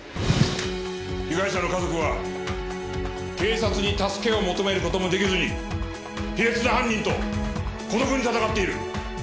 被害者の家族は警察に助けを求める事も出来ずに卑劣な犯人と孤独に戦っている。